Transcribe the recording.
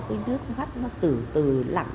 cái nước mắt nó từ từ lặng